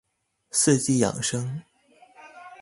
四季養生